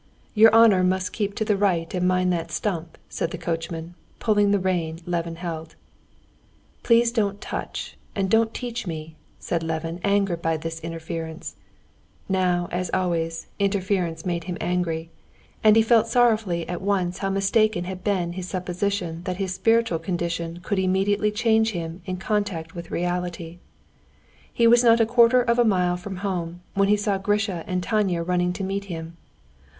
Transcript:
"Your honor must keep to the right and mind that stump," said the coachman, pulling the rein Levin held. "Please don't touch and don't teach me!" said Levin, angered by this interference. Now, as always, interference made him angry, and he felt sorrowfully at once how mistaken had been his supposition that his spiritual condition could immediately change him in contact with reality. He was not a quarter of a mile from home when he saw Grisha and Tanya running to meet him.